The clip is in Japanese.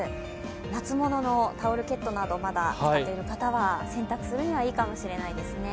夏物のタオルケットなどまだ使っている方は洗濯するにはいいかもしれないですね。